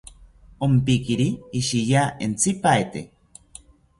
Ompiquiri ishiya entzipaete